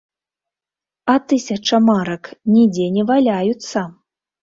А тысяча марак нідзе не валяюцца!